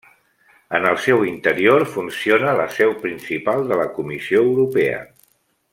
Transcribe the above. En el seu interior funciona la seu principal de la Comissió Europea.